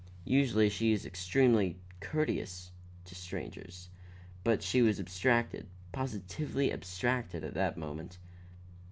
Usually she is extremely, courteous to strangers, but she was abstracted, positively abstracted at that moment.